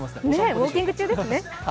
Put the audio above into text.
ウオーキング中ですね。